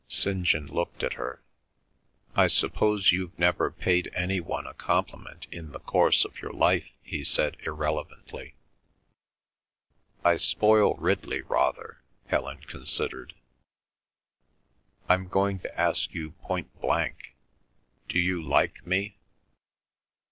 St. John looked at her. "I suppose you've never paid any a compliment in the course of your life," he said irrelevantly. "I spoil Ridley rather," Helen considered. "I'm going to ask you point blank—do you like me?"